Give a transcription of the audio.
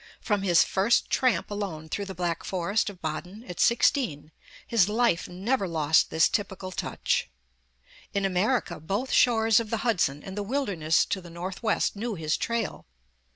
From his first tramp alone through the Black Forest of Baden, at sixteen, his life never lost this typical touch. In America, both shores of the Hudson, and the wilderness to the North west knew his trail.